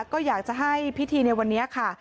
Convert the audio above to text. ก็อยากจะให้พิธีในวันนี้ค่ะ